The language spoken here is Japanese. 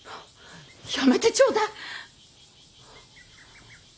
やめてちょうだい。